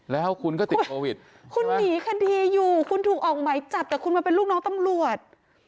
แล้วคุณก็ติดโควิดคุณหนีคดีอยู่คุณถูกออกไหมจับแต่คุณมาเป็นลูกน้องตำรวจ